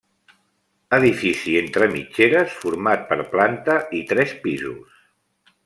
Edifici entre mitgeres format per planta i tres pisos.